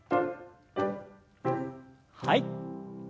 はい。